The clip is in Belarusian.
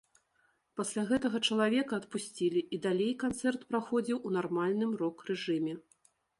Пасля гэтага чалавека адпусцілі і далей канцэрт праходзіў у нармальным рок-рэжыме.